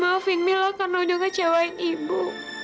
maafin mila karena udah ngecewain ibu